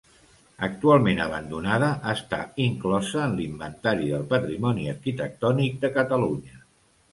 Actualment abandonada, està inclosa en l'Inventari del Patrimoni Arquitectònic de Catalunya.